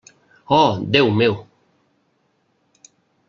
Oh, Déu meu!